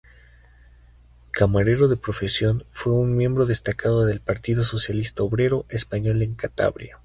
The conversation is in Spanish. Camarero de profesión, fue un miembro destacado del Partido Socialista Obrero Español en Cantabria.